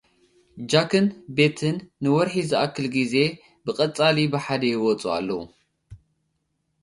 ጃክን ቤትን ንወርሒ ዝኣክል ግዜ ብቐጻሊ ብሓደ ይወጽኡ ኣለዉ።